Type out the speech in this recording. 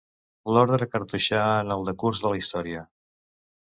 L'orde cartoixà en el decurs de la història.